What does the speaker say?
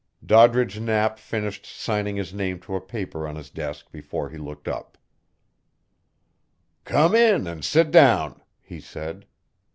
Doddridge Knapp finished signing his name to a paper on his desk before he looked up. "Come in and sit down," he said.